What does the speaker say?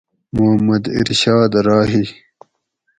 محمد ارشاد راہی